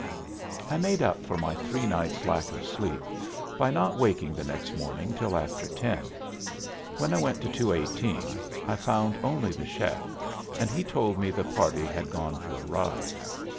I made up for my three nights' lack of sleep by not waking the next morning till after ten. When I went to 218, I found only the chef, and he told me the party had gone for a ride.